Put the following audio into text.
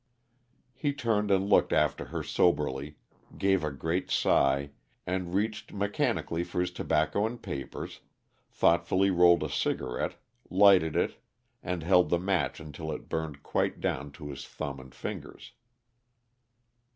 He turned and looked after her soberly, gave a great sigh, and reached mechanically for his tobacco and papers; thoughtfully rolled a cigarette, lighted it, and held the match until it burned quite down to his thumb and fingers.